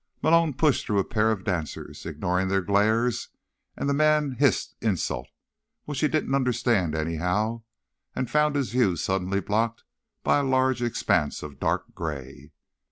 Malone pushed through a pair of dancers, ignored their glares and the man's hissed insult, which he didn't understand anyhow, and found his view suddenly blocked by a large expanse of dark grey.